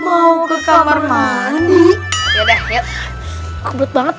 aku grunda banget deh